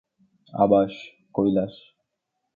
Awas: Kailash.